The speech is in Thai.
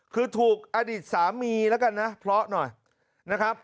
คือถูกอดีตสามีแล้วกันนะเพราะหน่อยนะครับ